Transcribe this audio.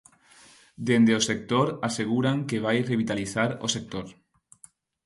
Dende o sector aseguran que vai revitalizar o sector.